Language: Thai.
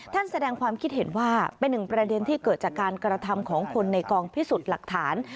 แสดงความคิดเห็นว่าเป็นหนึ่งประเด็นที่เกิดจากการกระทำของคนในกองพิสูจน์หลักฐาน